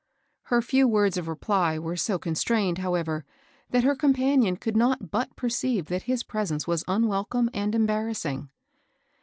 Her few words of reply were so constrained, however, that her companion could not but perceive that his presence was unwelcome and embarrassing.